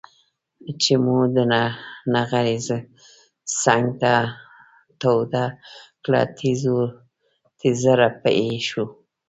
چې مو د نغري څنګ ته توده کړه تيزززز به یې شو.